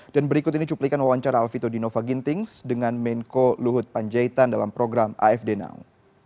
dan berikut ini cuplikan wawancara alfito di nova gintings dengan menko luhut panjaitan dalam program afd now